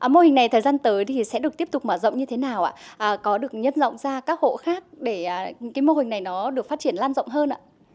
mô hình này thời gian tới thì sẽ được tiếp tục mở rộng như thế nào ạ có được nhân rộng ra các hộ khác để cái mô hình này nó được phát triển lan rộng hơn ạ